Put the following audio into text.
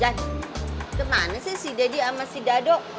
jan kemana sih si daddy sama si dadok